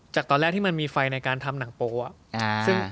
จากตอนแรกมีไฟในการทำหนังโปโส